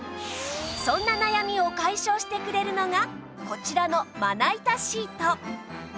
そんな悩みを解消してくれるのがこちらのまな板シート